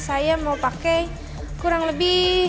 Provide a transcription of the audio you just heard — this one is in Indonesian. saya mau pakai kurang lebih